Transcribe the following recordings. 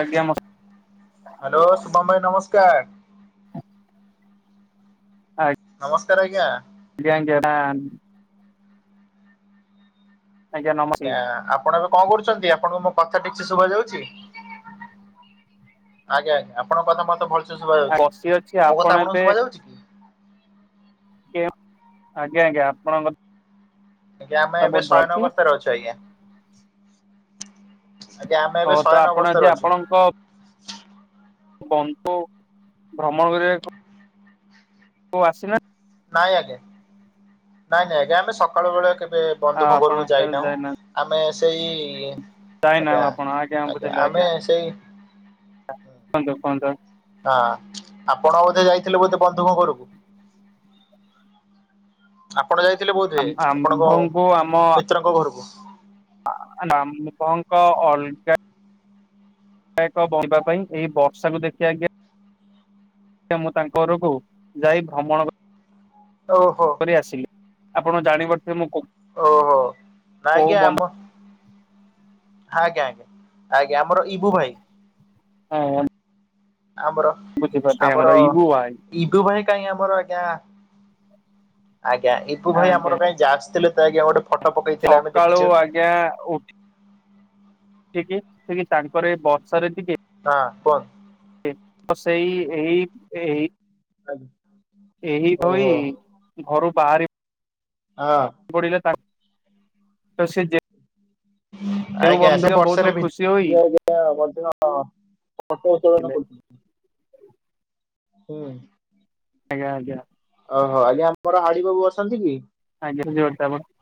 ଆଜ୍ଞା ମ ହ୍ୟାଲୋ ଶୁଭମ ଭାଇ ନମସ୍କାର। ନମସ୍କାର ଆଜ୍ଞା। [unintelligible] ଆଜ୍ଞା ଆପଣ ଏବେ କଣ କରୁଛନ୍ତି? ଆପଣଙ୍କୁ ମୋ କଥା ଠିକ ସେ ଶୁଭ ଯାଉଛି। ଆଜ୍ଞା ଆଜ୍ଞା ଆପଣଙ୍କ କଥା ମତେ ଭଲ୍ସେ ଶୁଭ ଯାଉଛି ବସି ଅଛି ମୋ କଥା ଆପଣ ଆପଣଙ୍କୁ ଏବେ ଶୁଭ ଯାଉଛି? କି? ଆଜ୍ଞା ଆଜ୍ଞା ଆପଣଙ୍କ ଆଜ୍ଞା ଆମେ କଥା ଏବେ ବହୁତ ଭଲ ଶୟନ ଅଛି ଅବସ୍ଥାରେ ଅଛୁ ଆଜ୍ଞା। ଆଜ୍ଞା ଆମେ ଏବେ ହଉ ତ ଶୟନ ଆପଣ ଆଜି ଅବସ୍ଥାରେ ଅଛୁ। ବନ୍ଟୁ ଭ୍ରମଣ କରିବାକୁ କଉ ଆସିିଲ ନାଇଁ ଆଜ୍ଞା ନାଇଁ ନାଇଁ ଆଜ୍ଞା ଆମେ ସକାଳୁ ବେଳେ କେବେ ଆଉ ବନ୍ଧୁକ ଆପଣ ଘରକୁ ତାହେଲେ ଯାଇନାହୁଁ। ଯାଇନା ଆମେ ସେଇ ଯାଇନା ଆଜ୍ଞା ଆପଣ ଆଜ୍ଞା ଆ ବୁଝେଇିଲେ ଆମେ ଆଜ୍ଞା ସେଇ କୁହନ୍ତୁ କୁହନ୍ତୁ। ହଁ ଆପଣ ବୋଧେ ଯାଇଥିଲେ ବୋଧେ ବନ୍ଧୁଙ୍କ ଘରକୁ। ଆପଣ ଯାଇଥିଲେ ବୋଧ ହୁଏ ଆପଣଙ୍କ ଆମ୍ଭଙ୍କୁ ଆମ ମିତ୍ରଙ୍କ ଘରକୁ। [unintelligible] [unintelligible] ପାଇଁ ଏଇ ବର୍ଷାକୁ ଦେଖି ଆଜ୍ଞା ମୁଁ ତାଙ୍କ ଘରକୁ ଯାଇ ଭ୍ରମଣ ଓହୋ। କରି ଆସିଲି ଆପଣ ଜାଣି ପାରୁଥିବେ ମୁଁ କ ଓହୋ ନା ଆ୍ଞା ଆମ ଆଜ୍ଞା ଆଜ୍ଞା। ଆଜ୍ଞା ଆମର ଇବୁ ଭାଇ ହଁ। ଆମର ଆମର ଇବୁ ଭାଇ କାଇହିଁ ଆମର ଆଜ୍ଞା ଆଜ୍ଞା ଇବୁ ଭାଇ ଆଜ୍ଞା ଆମର କାଇହିଁ ସେ ଆସିଥିଲେ ତ ଆଜ୍ଞା ଫଟୋ ପକେଇଥିଲେ ଆମେ ସକାଳୁ ଦେଖିଛୁ ଆଜ୍ଞା ଉଠି ଉଠିକି ଠିକି ତାଙ୍କର ଏଇ ବର୍ଷରେ ଟିକେ ହଁ କୁହ ସେଇ ଏହି ଏହି ଆଜ୍ଞା। ଏଇ ଭଳି ଘରୁ ବାହାରି ହଁ। ଗଡିଲେ ତାଙ୍କ ତ ସେ ଯେତେ ଆଜ୍ଞା ସେ ବହୁତ ବର୍ଷରେ ଖୁସି ଭିଜି ହୋଇଥିଲେ ଯାଇଛନ୍ତି। ହଁ ପଦିନ ହଁ ପତକା ଉତ୍ତୋଳନ କରୁଛନ୍ତି। ହୁଁ। ଆଜ୍ଞା ଆଜ୍ଞା। ଓହୋ ଆଜ୍ଞା ଆମର ହାଡି ବାବୁ ଅଛନ୍ତି କି? ଆଜ୍ଞା ବୁଝିପାରୁଛି ଆପଣ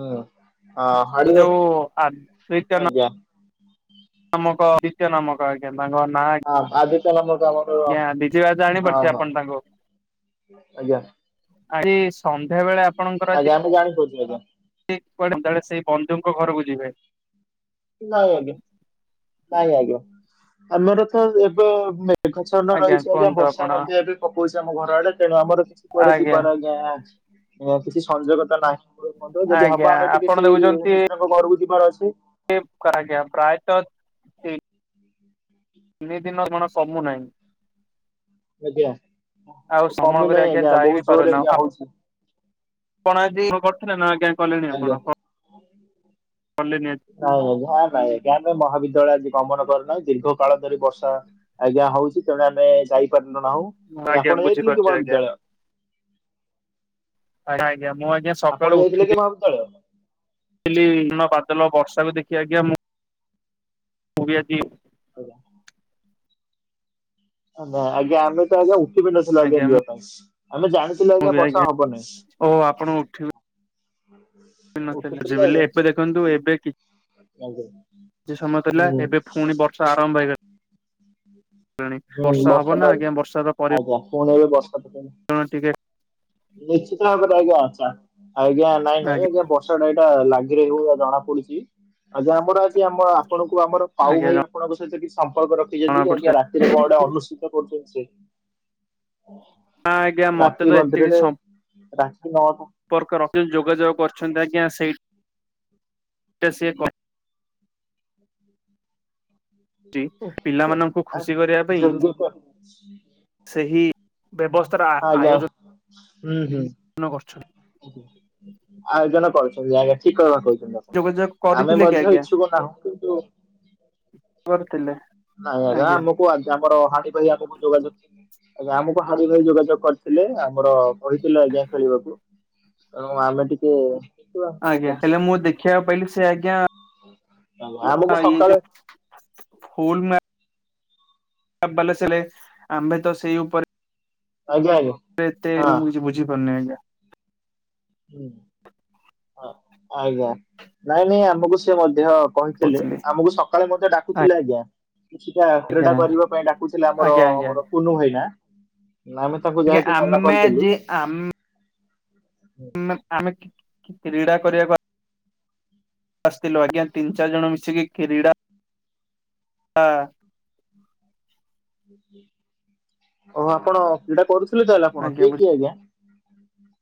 ହୁଁ ଆ ହାଡି ବା ଯୋଉ ଆଦିତ୍ୟ ଆଜ୍ଞା। ନାମକ ଆଦିତ୍ୟ ନାମକ ଆଜ୍ଞା ତାଙ୍କ ନାଁ ହଁ ଆଜିିକ ନମ ଦବ [unintelligible] ଆଜ୍ଞା ଜଣିପାରୁଛି ଆପଣ ତାଙ୍କୁ ଆଜ୍ଞା। ଆଜି ସନ୍ଧ୍ୟା ବେଳେ ଆପଣଙ୍କର ଆଜ୍ଞା ଆଜି ଆମେ ଜାଣିପାରୁଛୁ ଆଜ୍ଞା। ସେ କୁଆଡେ କାଳେ ସେଇ ବନ୍ଧୁଙ୍କ ଘରକୁ ଯିବେ। ନାଇଁ ଆଜ୍ଞା ନାଇଁ ଆଜ୍ଞା ଆମର ତ ଏବେ ମେଘଛନ୍ନ ରହିଛି ଆଜ୍ଞା କୁହନ୍ତୁ ବର୍ଷା ଆପଣ ମଧ୍ୟ ଏବେ ପକଉଛି ଆମ ଘର ଆଡେ ତେଣୁ ଆମର କୁଆଡେ ଆଜ୍ଞା ଯିବାର ଆଜ୍ଞା କିଛି ସଂଯୋଗ ତ ନାହିଁ। ଯଦି ଆଜ୍ଞା ହବ ଆମେ ଟିକେ ଆପଣ ସେଇ ମିତ୍ରଙ୍କ ଘରକୁ ଯିବାର ଅଛି। ସିପ୍ଟ କରାଯାଏ ପ୍ରାୟତଃ [inaudible] ତିନି ଦିନ କଣ କମୁ ନାହିଁ। ଆଜ୍ଞା। ଆଉ ସମୟ କମି କରି ନାହିଁ ଆଜ୍ଞା ଯାଇ ବହୁତ ବି ଜୋରରେ ପାରୁନା ଆଜ୍ଞା ଆପଣ ହଉଛି କଣ ଆଜି କରିଥିଲେ ନା ଆଜ୍ଞା? କଲେଣି ଆଜ୍ଞା। ଆପଣ କଲେଣି ଆଜି ନାଇଁ ଆଜ୍ଞା ନାଇଁ ଆଜ୍ଞା ମୁଁ ମହାବିଦ୍ୟାଳୟ ଆଜି ଗମନ କରି ନାହିଁ ଦୀର୍ଘ କାଳ ଧରି ବର୍ଷା ଆଜ୍ଞା ହଉଛି ତେଣୁ ଆମେ ଯାଇପାରିନ ନାହୁଁ ମୁଁ ଏ ଆଜ୍ଞା ଆପଣ ଯାଇଥିଲେ କି ବୁଝିପାରୁଛି ଆଜ୍ଞା ମହାବିଦ୍ୟାଳୟ? ଆଜ୍ଞା ମୁଁ ଆଜ୍ଞା ଆପଣ ଯାଇଥିଲେ କି ମହାବିଦ୍ୟାଳୟ? ଥିଲି ବାଦଲ ବର୍ଷାକୁ ଦେଖି ଆଜ୍ଞା ମୁଁ ମୁ ବି ଆଜି ହଇରାଣ ନଁ ଆଜ୍ଞା ଆମେ ତ ଆଜ୍ଞା ଉଠିିବି ନଥିଲୁ ଆଜ୍ଞା ଯିବା ପାଇଁ ଆମେ ଜାଣିଥିଲୁ ମୁଁ ଆଜ୍ଞା ବି ବର୍ଷା ହବନାଇଁ। ଓ ଆପଣ ଉଠିବେ ଉଠିନଥିଲେ ଉଠିଥିଲୁ ଯିବେ ବୋଲି ଏବେ ଦେଖନ୍ତୁ ଏବେ କିଛି ସମୟ ଥିଲା ଆଜ୍ଞା ହୁଁ। ଏବେ ପୁଣି ବର୍ଷା ଆରମ୍ଭ ହେଇଗଲାଣି ହୁଁ ବର୍ଷା ହବ ନା ବର୍ଷାପାଗ ଆଜ୍ଞା ପୁଣି ଏବେ ବର୍ଷା ପକେଇଲା। ହଁ ଟିକେ ନିଶ୍ଚିତ ଭାବରେ ଆଜ୍ଞା ଆଛା ଆଜ୍ଞା ନାଇଁ ନାଇଁ ଆଜ୍ଞା ବର୍ଷା ବର୍ଷାଟା ଏଇଟା ଲାଗି ରହିବ ଭଳିଆ ଜଣା ପଡୁଛି ଆଜ୍ଞା ଆମର ଆଜି ଆମ ଆପଣଙ୍କୁ ଆମର ସାହୁ ଆଜ୍ଞା ଭାଇ ଆପଣଙ୍କ ସହିତ କି ସମ୍ପର୍କ ଜଣା ରଖିଛନ୍ତି ଯେ ଆଜ୍ଞା ରାତିରେ କଣ ପଡୁଛି ଗଟେ ଅନୁସିତ କରୁଛନ୍ତି। ହଁ ଆଜ୍ଞା ମତେ ତ ଏତିକି ପୁରୀରେ ରାକ୍ଷୀ ନଅଶହ। ଯୋଗାଯୋଗ କରିୁଛନ୍ତି ଆଜ୍ଞା ସେଇଟା ସିଏ [inaudible] କରିଛି ପିଲାମାନଙ୍କୁ ଖୁସି କରିବା ପାଇଁ ସେହି ବ୍ୟବସ୍ଥାର [inaudible] ଆଜ୍ଞା, ଆୟୋଜନ ହୁଁ ହୁଁ। [unintelligible] ଆୟୋଜନ କରୁଛନ୍ତି ଆଜ୍ଞା, ଠିକ କଥା କହୁଛନ୍ତି ଯୋଗାଯୋଗ ଆପ ଆମେ କରିଥିଲେ କି ମଧ୍ୟ ଇଚ୍ଛୁକ ନାହୁଁ। କିନ୍ତୁ ମୋର ଥିଲା। ନାଇଁ ଆଜ୍ଞା ଆମକୁ ଆଜ୍ଞା [unintelligible] ଆଜ୍ଞା ଆମକୁ ହାଡି ଭାଇ ଯୋଗାଯୋଗ କରିଥିଲେ। ଆମର କହିଥିଲେ ଆଜ୍ଞା ଖେଳିବାକୁ। ତେଣୁ ଆମେ ଟିକେ ଦେଖିବା କଣ ଆଜ୍ଞା, କରୁଛେ ହେଲେ ମୁଁ ଦେଖିବାକୁ ପାଇଲି ସେ ଆଜ୍ଞା ଆଜ୍ଞା, ଆମକୁ ଇଏ ସକାଳେ ଯୋଉ ଫୁଲ ମା [unintelligible] ଆମେ ତ ସେଇ ଉପରେ ଆଜ୍ଞା ଆଜ୍ଞା। ଏତେ ହଁ ମୁଁ କିଛି ବଝିପାରୁନି ଆଜ୍ଞା। ହୁଁ ହଁ ଆଜ୍ଞା, ନାଇଁ ନାଇଁ ଆମକୁ ସେ ମଧ୍ୟ କହିଥିଲେ, କହୁଥିଲି। ଆମକୁ ସକାଳେ ମଧ୍ୟ ଡାକୁଥିଲେ ଆଜ୍ଞା। କିଛିଟା ଆଜ୍ଞା କ୍ରୀଡା କରିବା ପାଇଁ ଡାକୁଥିଲେ ଆମର ଆଜ୍ଞା ଆଜ୍ଞା ଆମର କୁନୁ ଭାଇନା। ଆମେ ତାଙ୍କୁ ଆଜ୍ଞା ଯେହେତୁ ମନା ଆମେ କରିଦେଲୁ। ଆମ ଆମେ -ଆମେ -କି -କି - କ୍ରୀଡା କରିବାକୁ ଆ ଆସିଥିଲୁ ଆଜ୍ଞା। ତିନି ଚାରି ଜଣ ମିଶିକି କ୍ରୀଡ଼ା ଆ ହଉ ଆପଣ କ୍ରୀଡ଼ା କରୁଥିଲେ ତାହଲେ ଆପଣ, କିଏ କିଏ ଆଜ୍ଞା?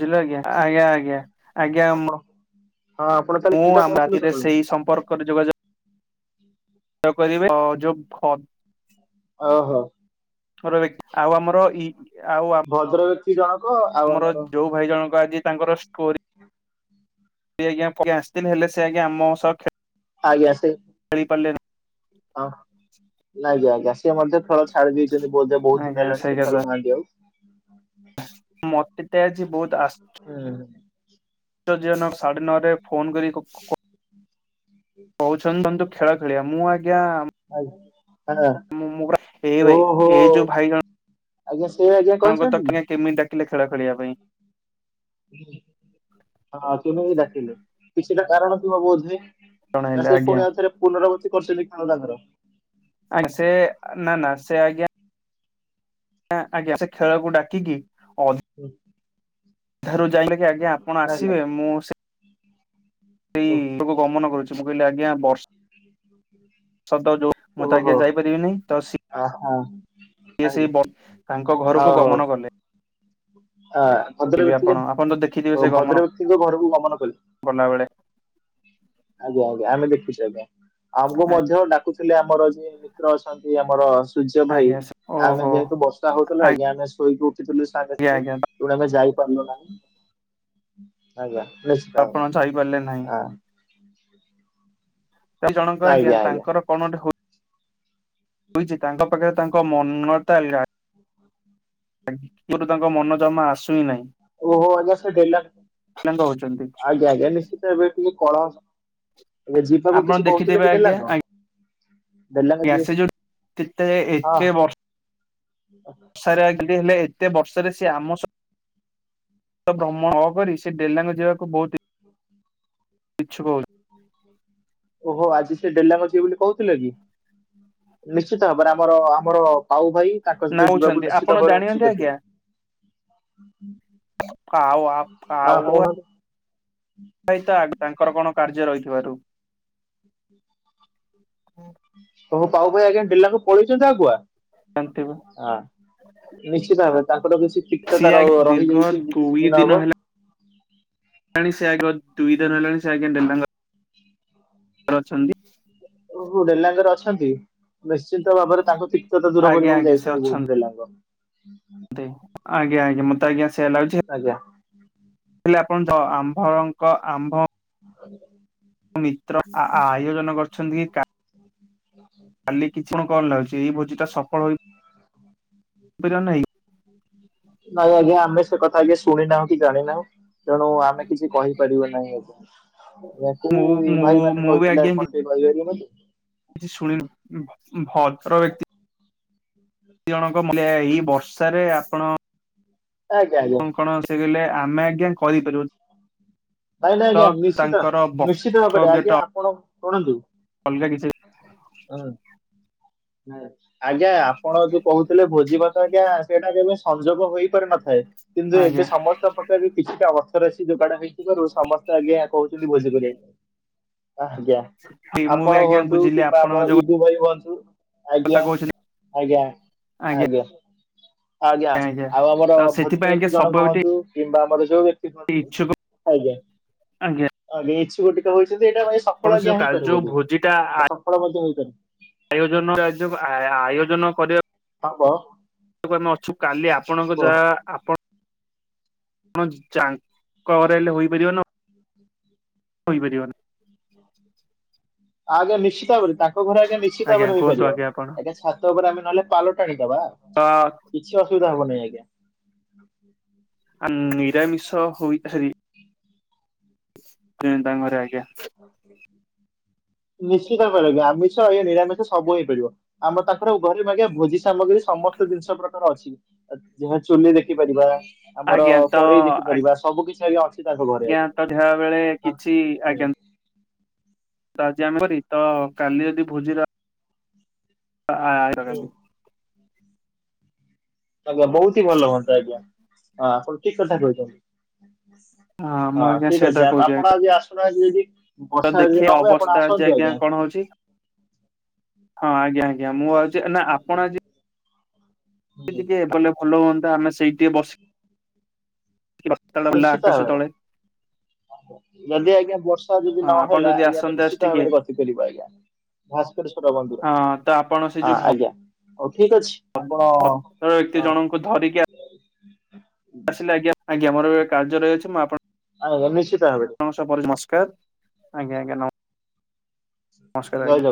ବୁଝିଲେ ଆଜ୍ଞା? ଆଜ୍ଞା ଆଜ୍ଞା। ଆଜ୍ଞା ମୁଁ ଆପଣ ହଁ ଆପଣ ତାହେଲେ କ୍ରୀଡ଼ା ଆମ କରୁଥିଲେ ରାତିରେ ସକାଳୁ? ସେଇ ସମ୍ପର୍କରେ ଯୋଗାଯୋଗ ଗ କରିବେ, ଯୋଉ ଭ ଓହୋଃ। [unintelligible] ଭଦ୍ର ବ୍ୟକ୍ତି ଜଣକ ଆଉ ଆମର ଭାଇ ଜଣଙ୍କ ଆଜି ତାଙ୍କର ଷ୍ଟୋରି [unintelligible] ଆସିଥିଲେ, ହେଲେ ସେ ଆଜ୍ଞା ଆମ ସହ ଖେ ଆଜ୍ଞା। ସେ ଖେଳି ପାରିଲେ ନା ହଁ ଆଜ୍ଞା ଆଜ୍ଞା। ସେ ମଧ୍ୟ ଖେଳ ଛାଡ଼ି ଦେଇଛନ୍ତି ବୋଧ ହୁଏ, ନାହିଁ ବହୁତ ଦିନ ଆଜ୍ଞା ହେଲାଣି ସେଇ ସିଏ କଥା ଖେଳୁନାହାନ୍ତି ଆଉ। ମତେ ତ ଆଜି ବହୁତ ଆଶ୍ଚ ହୁଁ। ଆଶ୍ଚର୍ଯ୍ୟଜନକ, ସାଢେ ନଅ ରେ ଫୋନ କରି- କ- କ -କ କହୁଛନ୍ତି ତମେ ଯୋଉ ଖେଳ ଖେଳିିବା। ମୁଁ ଆଜ୍ଞା ହଉ ଆଜ୍ଞା, ମୁଁ ଏଇ ଭାଇ ଓହୋଃ। ଏଇ ଯୋଉ ଭାଇ ଆଜ୍ଞା ସେ ଆଜ୍ଞା ଜଣଙ୍କ ତ କହିଛନ୍ତି? କେମିତି ଡାକିଲେ ଖେଳ ଖେଳିବା ପାଇଁ। ହୁଁ। ହଁ କେବେବି ଡାକିଲେ, କିଛିଟା କାରଣ ଥିବ ବୋଧହୁଏ। ନା ଜଣେଇଲେ ସେ ଆଜ୍ଞା କୁଣି ଆଉଥରେ ପୁନରାବତ୍ତି କରୁଛନ୍ତି ଖେଳ ତାଙ୍କର? ଆ ସେ ନା -ନା ସେ ଆଜ୍ଞା, ଆଜ୍ଞା ସେ ଖେଳକୁ ଡାକିକି ହୁଁ। [unintelligible] ଆପଣ ଆଜ୍ଞା ଆସିବେ ମୁଁ ସେ ଉଁ ଓ- ତବୁ ଗମନ କରୁଛି ମୁ କହିଲି ଆଜ୍ଞା ବର୍ଷ୍ ମୁଁ ତ ଓହୋ ଆଜ୍ଞା ଯାଇପାରିବିନି ଆ ହଁ। ଇଏ ସେଇ ବର୍ ତାଙ୍କ ଘରକୁ ଓହୋ ଗମନ କଲେ। ଆ ଭଦ୍ର ବି ଆପଣ ବ୍ୟକ୍ତିଙ୍କ ଆପଣ ତ ଦେଖିଥିବେ ଓ ସେ ଗମନ ଭଦ୍ର ବ୍ୟକ୍ତିଙ୍କ ଘରକୁ ଗମନ କଲେ। କଲା ବେଳେ ଆଜ୍ଞା ଆଜ୍ଞା ଆମେ ଦେଖୁଚୁ ଆଜ୍ଞା ଆମ୍ କୁ ମଧ୍ୟ ଡାକୁଚି। ଥିଲେ ଆମର ଯେ ମିତ୍ର ଅଛନ୍ତି ଆମର ସୂର୍ଯ୍ୟ ଭାଇ ଆଜ୍ଞା ଆମେ ଓହୋ ଯେହେତୁ ବର୍ଷା ହଉଥିଲା ଆଜ୍ଞା ଆମେ ଶୋଇକି ଉଠିଥିଲୁ ସାଙ୍ଗେ ଆଜ୍ଞା ସାଙ୍ଗେ। ଆଜ୍ଞା ଆଜ୍ଞା ତେଣୁ ଆମେ ଯାଇ ପାର୍ ଲୁ ନାହିଁ ଆପଣ ଯାଇପାରିଲେ ନାହିଁ। ଆଜ୍ଞା [unintelligible] ତାଲ୍‌ ଜଣଙ୍କ ଆଜ୍ଞା ତାଙ୍କର କଣ ଗୋଟେ ହୋ ହୋଇଚି ତାଙ୍କ ପାଖରେ ତାଙ୍କ ମନଟା ଅଲ୍‌ଗା ହ ହ [inaudible] ମୋଟେ ତାଙ୍କ ମନ ଜମା ଆସ୍‌ ଓହୋ ଆଜ୍ଞା ସେ ଦେଲାଣି ତାଙ୍କ ହଉଛନ୍ତି ଆଜ୍ଞା ଆଜ୍ଞା ନିଶ୍ଚିତ୍ ଏବେ ଟିକେ କଳା ଏବେ ଯିିବାକୁୁ ଆପଣ କିଛି ଦେଖିଥିବେ କହୁଥିଲେ ଦିଦି ନା କଁ? ମ୍ୟାସେଜ୍ ଯାେଉ ଠିକ୍ ତାଏ ହଁ ଏକେ ବର୍ [inaudible] ସାରେ ଆଜି ଟିଏ ହେଲେ ଏତେ ବର୍ଷରେ ସେ ଆମ ସ ତ ଭ୍ରମ ନ କରି ସେ ଡେଲାଙ୍ଗ ଯିବାକୁ ବହୁତ ଇ ହୁଁ ହ [inaudible] ପିଛୁ କହୁ ଓହୋ ଆଜି ସେ ଡେଲାଙ୍ଗ ଯିବ ବୋଲି କହୁଥିଲା କି? ନିଶ୍ଚିତ ହାବରେ ଆମର ଆମର ପାଉ ଭାଇ ତାଙ୍କ ନା ସହିତ ଯିବାକୁ ହଉଛନ୍ତି ନିଶ୍ଚିତ ଆପଣ ଭାବରେ ଉତ୍ସୁକ ଥିଲେ। ଫାଉଆ ହଁ ଫାଉଆ। କହୁନାହାନ୍ତି ହଇତା ଆଗୁ ତାଙ୍କର କଣ କାର୍ଯ୍ୟ ରହିଥିବାରୁ। ହୁଁ [inaudible] ହୁଁ। ତମ ପାଉ ଭାଇ ଆଜ୍ଞା ଡେଲାଙ୍ଗ ପଳେଇଚନ୍ତି ଆଗୁଆ ଜାନ୍ ଥିବ। ଆ ନିଶ୍ଚିତ ହାବରେ ତାଙ୍କର କିଛି ସିଏ ପିକଚଟା ର ଆଗ ଦୀର୍ଘ ରହିଯାଇଛି ଏ ବେ ଦୁଇ କିଛି ଦିନ ହବ। [unintelligible] ଓ ହ ଘରେ ଅଛନ୍ ଟି? ଓ ହୋ ଡେଲାଙ୍ଗରେ ରେ ଅଛନ୍ତି ନିଶ୍ଚିନ୍ତ ଭାବରେ ତାଙ୍କୁ ଟି ସେତ ଦୂର ଆଜ୍ଞା କରିବାକୁ ଯାଇଛନ୍ତି ବଉଧୁ ଡେଲାଙ୍ଗ। ଦେ ଆଜ୍ଞା ଆଜ୍ଞା ମତେ ଆଜ୍ଞା ସେୟା ଲାଗୁଛି। ଆଜ୍ଞା। ହେଲେ ଆପଣ ଜ ଆମ୍ଭଙ୍କ ଆମ୍ଭ। ମିତ୍ର ଆୟୋଜନ କରିଛନ୍ତି କି [inaudible] [inaudible] ଫଳ ହେଇ ପିରା ନାହି। ନାଇଁ ଆଜ୍ଞା ଆମେ ସେ କଥା ଆଜ୍ଞା ଶୁଣିନାହୁଁ କି ଜାଣିନାହୁଁ। ତେଣୁ ଆମେ କିଛି କହିପାରିବା ନାହିଁ ଆଜ୍ଞା। ଏଇଆକୁ ମୁଁ ମୁଁ ଭାଇ ମାନେ ମୁଁ ବି କହୁଥିଲେ ଆଜ୍ଞା ମତେ ଟିକେ କହିଦେଇନଥାନ୍ତୁ। ଶୁଣିଲୁ ଭଦ୍ର ବ୍ୟକ୍ତ [unintelligible] ଏଇ ବର୍ଷାରେ ଆପଣ ଆଜ୍ଞା ଆଜ୍ଞା ଆପଣ କଣ ସେ କହିଲେ ଆମେ ଆଜ୍ଞା କରିପାରିବୁନି। ନାଇଁ ନାଇଁ ଆଜ୍ଞା ନିଶ୍ଚିତ ତାଙ୍କର ନିଶ୍ଚିତ ଭାବରେ ବକ୍ତବ୍ୟଟା ଆଜ୍ଞା ଆପଣ ଶୁଣନ୍ତୁ। ଅଲଗା କିଛି [unintelligible] ଆଜ୍ଞା ଆପଣ ଯୋଉ କହୁଥିଲେ ଭୋଜି ଭାତ ଆଜ୍ଞା ସେଇଟା କେବେ ସଂଯୋଗ ହୋଇପାରିନଥାଏ। କିନ୍ତୁ ଆଜ୍ଞା ଏବେ ସମସ୍ତ ପଖ୍ୟ ରେ ବି କିଛିଟା ଅର୍ଥ ରାଶି ଯୋଗାଡ ହେଇଥିବାରୁ ସମସ୍ତେ ଆଜ୍ଞା କହୁଚନ୍ତି ଭୋଜିକରିଆକୁ। ଆଜ୍ଞା। ମୁଁ ବି ଆପଣ ଆଜ୍ଞା ହୁଅନ୍ତୁ ବୁଝିଲି କିମ୍ବା ଆପଣ ଆମର ଯୋଉ ଇଦୁ ଭାଇ ହୁଅନ୍ତୁ। ଆଜ୍ଞା କଥା କହୁଛନ୍ତି ଆଜ୍ଞା ଆଜ୍ଞା। ଆଜ୍ଞା ଆଉ ଆମର ତ ଭଦ୍ର ସେଥିପାଇଁ ବ୍ୟକ୍ତି ଜଣେ କୁହନ୍ତୁ କିମ୍ବା ଆମର ଯୋଉ ବ୍ୟକ୍ତି ବ୍ୟକ୍ତି ହୁଅନ୍ତୁ ଇଛୁକ ଆଜ୍ଞା ଆଜ୍ଞା। ଆଜ୍ଞା ଇଛୁକ ଟିକେ ହଉଛନ୍ତି ଏଇଟା ଭାଇ ସଫଳ କୌଣସି ଆଜ୍ଞା କାର୍ଯ୍ୟ ହେଇପାରିବନି ଭୋଜିଟା ଏଇଟା ସଫଳ ମଧ୍ୟ ହେଇପାରେ। ଆୟୋଜନ ରାଜ୍ୟ କୁ ଆୟୋଜନ କରିବାକୁ ହଁ କହ। କାଲି ପହଦିନ ଅଛୁ କାଲି ଆପଣଙ୍କ ଯାଆ ଯାଙ୍କ ଘରେ ହେଲେ ହୋଇପାରିବ ନା [inaudible] ହୋଇପାରିବନି। ଆଉ ଆଜ୍ଞା ନିଶ୍ଚିତ ଭାବରେ ତାଙ୍କ ଘରେ ଆଜ୍ଞା ନିଶ୍ଚିତ ଭାବରେ କୁହନ୍ତୁ ରହିପାରିବ। ଆଜ୍ଞା ଆପଣ ଆଜ୍ଞା ସାତ୍ ଛାତ ଉପରେ ଆମେ ନଲେ ପାଲ ଟାଣିଦବା। ହଁ। କିଛି ଅସୁବିଧା ହବହି ଆଜ୍ଞା। ଆନ୍ ନିରାମିଷ ହୋଇଥାରି। ତିନ୍ ତାଙ୍କ ଘରେ ଆଜ୍ଞା। ନିଶ୍ଚିତ ହୋଇପାରିବ ଆମିଷ ଆଜ୍ଞା ନିରାମିଷ ସବୁ ହେଇପାରିବ। ଆମେ ତାକୁ ଘରେ ମାଗିଆ ଭୋଜି ସାମଗ୍ରୀ ସମସ୍ତ ଜିନିଷ ପ୍ରକାର ଅଛି। ଯାହା ଚୁଲିରେ ଦେଖିପାରିବା ଆମର ଆଜ୍ଞା ତ କଡେଇ ଦେଖିପାରିବା ସବୁ କିଛି ଏଇ ଅଛି। ତାଙ୍କ ଘରେ ଆଜ୍ଞା ହଁ ୟ୍ୟାଙ୍କ ଦେହ ବେଳେ କିଛି ଆଜ୍ଞା ଆଜ୍ଞାତ୍ ଆଜି ଆମର ରିତ କାଲି ଯଦି ଭୋଜିର [unintelligible] ହ ଭଲ ବହୁଟି ଭଲ ହୁଅନ୍ତା ଆଜ୍ଞା, ହଁ ଆପଣ ଠିକ୍ କଥା କହିଚନ୍ତି। ହଁ ମୁଁ ଆଜ୍ଞା ଠିକ୍ ସେଇଟା ଅଛି ଆମ୍ ଆ କହୁଛି ଆପଣ ଆଜି ଆସୁନାହାନ୍ତି ଯଦି ତ ବର୍ଷା ଯଦି ଦେଖିବା ନ ହବ ଆପଣ ଅବସ୍ଥା ଆଜି ଆସନ୍ତୁ ଆଜ୍ଞା। କଣ ହଉଛି ହଁ ଆଜ୍ଞା ଆଜ୍ଞା ମୁଁ ଭାବୁଚି ନା ଆପଣ ଆଜି ଟିକେ ଟିକେ କଲେ ଭଲ ହୁଅନ୍ତା ଆମେ ସେଇଟି ଟିକେ ବସି ଥଟଲ ହେଲା ନିଶ୍ଚିତ ଆକାଶ ଭାବରେ ତଳେ। ଯଦି ଆଜ୍ଞା ବର୍ଷା ଯଦି ହଁ ଆପଣ ନହେଲା ଯଦି ଯେ ଆମେ ଆସନ୍ତେ ଆଜି ନିଶ୍ଚିତ ଟିକେ ଭାବରେ ବସିପାରିବା ଆଜ୍ଞା। ଭାସ୍କରେଶ୍ଵର ବନ୍ଧୁ ହଁ ତ ଆପଣ ସେ ଆଁ ଯୋଉ ଆଜ୍ଞା ହଉ ଠିକ୍ ଅଛି। ଆପଣ ହଁ ଭଦ୍ର ବ୍ୟକ୍ତି ଜଣଙ୍କୁ ଧରିକି ଆ ଆସିଲେ ଆଜ୍ଞା ଆଜ୍ଞା ମୋର କାର୍ଯ୍ୟ ରହିଚି ମୁଁ ଆପଣ ଆଉ ନିଶ୍ଚିତ ଭାବେ। [unintelligible] ନମସ୍କାର ଆଜ୍ଞା ଆଜ୍ଞା ନମସ୍ ଜୟ ନମସ୍କାର ଆଜ୍ଞା। ଜଗନ୍ନାଥ